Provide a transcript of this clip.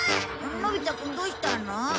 のび太くんどうしたの？